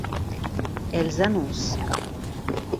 Elles annoncent.